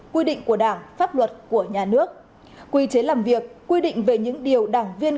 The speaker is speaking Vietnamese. quy định của đảng pháp luật của nhà nước quy chế làm việc quy định về những điều đảng viên